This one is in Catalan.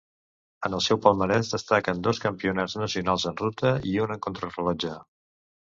En el seu palmarès destaquen dos Campionats nacionals en ruta i un en contrarellotge.